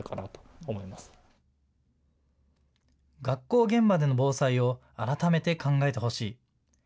学校現場での防災を改めて考えてほしい。